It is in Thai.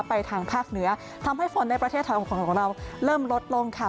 ทางภาคเหนือทำให้ฝนในประเทศไทยของเราเริ่มลดลงค่ะ